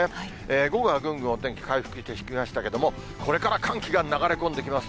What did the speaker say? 午後はぐんぐんお天気回復してきましたけれども、これから寒気が流れ込んできます。